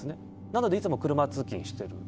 なので、いつも車通勤している。